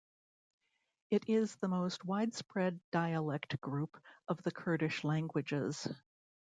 It is the most widespread dialect group of the Kurdish languages.